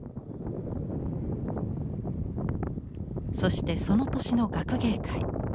そしてその年の学芸会。